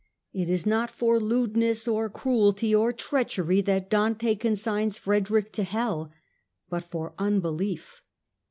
It is not for lewdness or cruelty or treachery that Dante consigns Frederick to hell, but for unbelief.